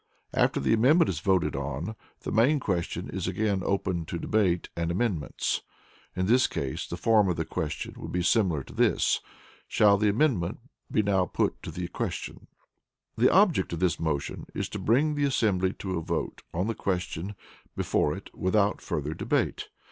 After the amendment is voted on, the main question is again open to debate and amendments. [In this case the form of the question would be similar to this : "Shall the amendment be now put to the question?"] The Object of this motion is to bring the assembly to a vote on the question before it without further debate.